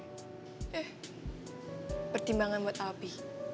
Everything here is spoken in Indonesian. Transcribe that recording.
eh pertimbangan buat api